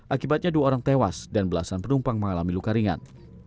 akibatnya dua orang tewas dan belasan penumpang mengalami luka ringan